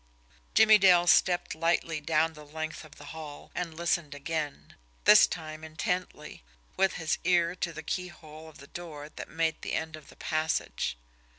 Jimmie Dale stepped lightly down the length of the hall and listened again; this time intently, with his ear to the keyhole of the door that made the end of the passage.